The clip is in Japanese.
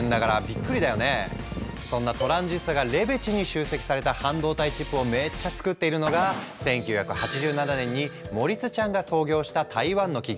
そんなトランジスタがレベチに集積された半導体チップをめっちゃ作っているのが１９８７年にモリス・チャンが創業した台湾の企業ＴＳＭＣだ。